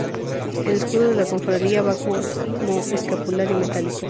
El escudo de la cofradía va como escapulario metálico.